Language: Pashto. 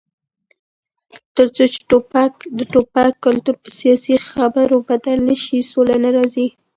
تر څو چې د ټوپک کلتور په سیاسي خبرو بدل نشي، سوله نه راځي.